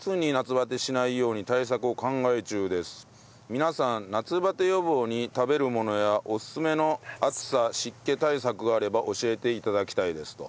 皆さん夏バテ予防に食べるものやおすすめの暑さ湿気対策があれば教えて頂きたいですと。